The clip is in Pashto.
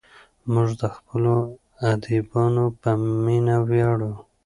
موږ د خپلو ادیبانو په مینه ویاړو.